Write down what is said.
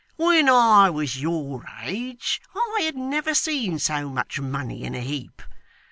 When I was your age, I had never seen so much money, in a heap.